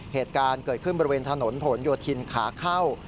เหตุการณ์เกิดขึ้นบริเวณถนนผลโยธินขาเข้า